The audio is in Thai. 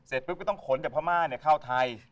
เสร็จปุ๊บก็ต้องขนแต่พม่าเนี่ยเข้าไทย